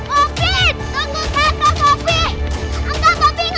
pak lihat anak perempuan gak rambutnya diikat pake poni gitu